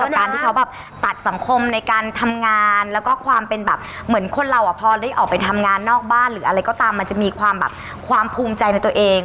การที่เขาแบบตัดสังคมในการทำงานแล้วก็ความเป็นแบบเหมือนคนเราอ่ะพอได้ออกไปทำงานนอกบ้านหรืออะไรก็ตามมันจะมีความแบบความภูมิใจในตัวเอง